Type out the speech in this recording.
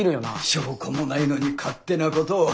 証拠もないのに勝手なことを。